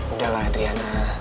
udah lah adriana